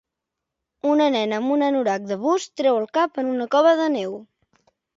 Una nena amb un anorac de bus treu el cap en una cova de neu.